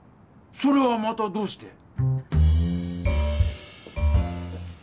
それはまたどうして？